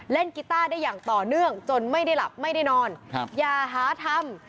กีต้าได้อย่างต่อเนื่องจนไม่ได้หลับไม่ได้นอนอย่าหาทำ